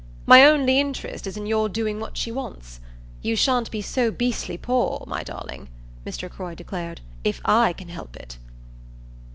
My only interest is in your doing what she wants. You shan't be so beastly poor, my darling," Mr. Croy declared, "if I can help it."